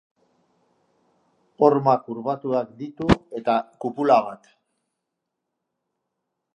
Horma kurbatuak ditu eta kupula bat.